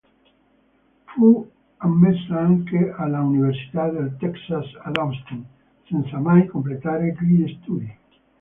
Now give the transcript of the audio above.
Fu ammessa anche alla Università del Texas ad Austin, senza mai completare gli studi.